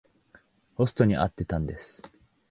ホストに会ってたんです。